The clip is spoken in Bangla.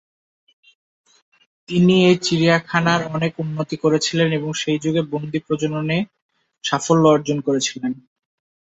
তিনি এই চিড়িয়াখানার অনেক উন্নতি করেছিলেন এবং সেই যুগে বন্দী প্রজননে সাফল্য অর্জন করেছিলেন।